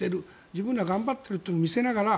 自分らは頑張っていると見せながら